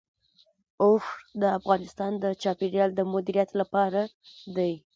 اوښ د افغانستان د چاپیریال د مدیریت لپاره دی.